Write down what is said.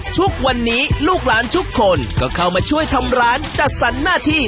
ทุกวันนี้ลูกหลานทุกคนก็เข้ามาช่วยทำร้านจัดสรรหน้าที่